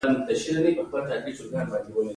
د لومړۍ درجې تقدیرنامې اخیستل مرسته کوي.